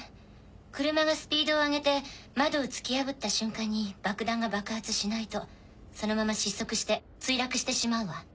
車がスピードを上げて窓を突き破った瞬間に爆弾が爆発しないとそのまま失速して墜落してしまうわ。